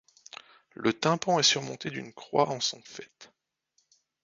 Le tympan est surmonté d'une croix en son faîte.